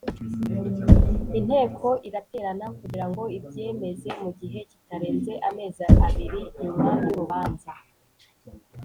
inteko iraterana kugira ngo ibyemeze mu gihe kitarenze amezi abiri nyuma yurubanza